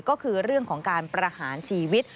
ก็คือเรื่องของการประหารชีวิต